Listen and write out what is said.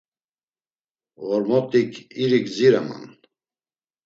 Ğormot̆ik iri gdzireman.